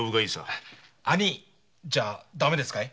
「兄い」じゃダメですかい？